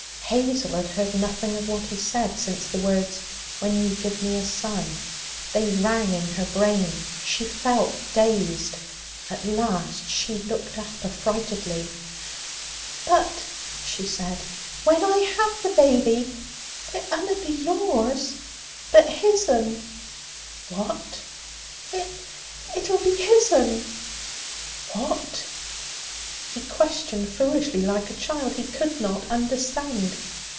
Hazel had heard nothing of what he said since the words, 'when you give me a son.' They rang in her brain. She felt dazed. At last she looked up affrightedly. 'But,' she said, 'when I have the baby, it unna be yours, but his'n.' 'What?' 'It it'll be his'n.' 'What?' He questioned foolishly, like a child. He could not understand.